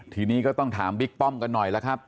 ทีนี้ก็ต้องถามบิ๊กป้อมกันหน่อยแล้วครับ